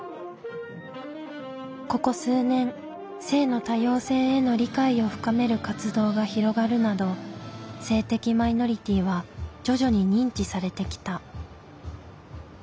ここ数年性の多様性への理解を深める活動が広がるなど性的マイノリティーは徐々に認知されてきた。